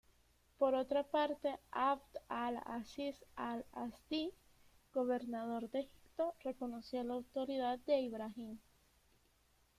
Por otra parte, Abd al-Aziz al-Azdi, gobernador de Egipto, reconoció la autoridad de Ibrahim.